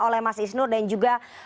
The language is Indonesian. oleh mas isnur dan juga